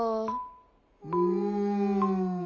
うん。